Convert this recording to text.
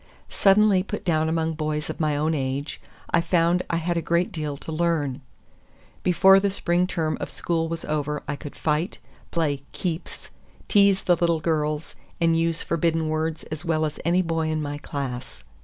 Suddenly put down among boys of my own age, I found I had a great deal to learn. Before the spring term of school was over I could fight, play "keeps," tease the little girls, and use forbidden words as well as any boy in my class.